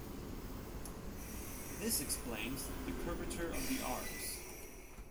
This explains the curvature of the arcs.